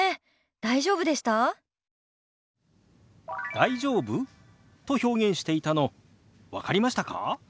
「大丈夫？」と表現していたの分かりましたか？